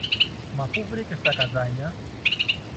Μα πού βρήκες τα καζάνια;